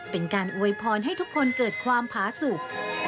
เป็นการอวยพรให้ทุกคนเกิดความผาสุข